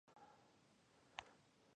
ناکامو ارزوګانو خپل زړګی ستومانه ساتم.